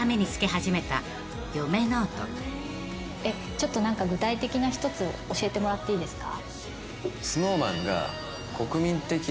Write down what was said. ちょっと具体的な１つ教えてもらっていいですか？